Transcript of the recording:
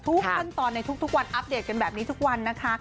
ขั้นตอนในทุกวันอัปเดตกันแบบนี้ทุกวันนะคะ